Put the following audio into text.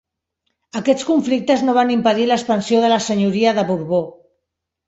Aquests conflictes no van impedir l'expansió de la senyoria de Borbó.